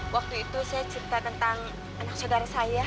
waktu itu saya cerita tentang anak saudara saya